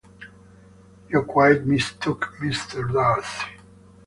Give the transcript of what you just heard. You quite mistook Mr. Darcy.